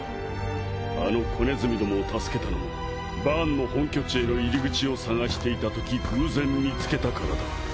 あの子ネズミどもを助けたのもバーンの本拠地への入り口を探していたとき偶然見つけたからだ。